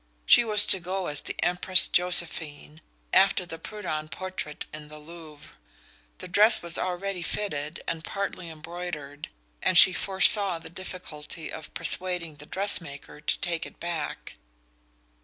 She was to go as the Empress Josephine, after the Prudhon portrait in the Louvre. The dress was already fitted and partly embroidered, and she foresaw the difficulty of persuading the dress maker to take it back.